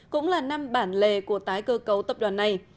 cũng là năm bản lề của tái cơ cấu tập đoàn này